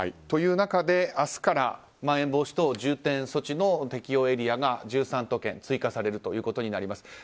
という中で明日からまん延防止等重点措置の適用エリアが１３都県追加されることになります。